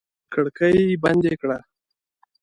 کړکۍ بندې کړه!